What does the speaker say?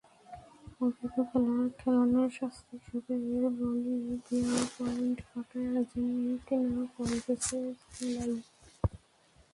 অবৈধ খেলোয়াড় খেলানোর শাস্তি হিসেবে বলিভিয়ার পয়েন্ট কাটায় আর্জেন্টিনা পড়ে গেছে ঝামেলায়।